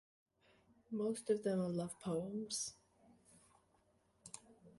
Most of them are love poems.